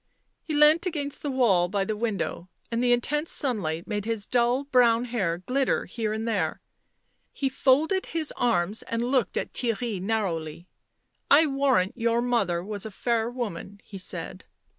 He leant against the wall by the window, and the intense sunlight made his dull brown hair glitter here and there ; he folded his arms and looked at Theirry narrowly. " I warrant your mother was a fair woman," he said.